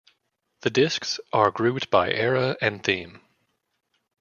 The discs are grouped by era and theme.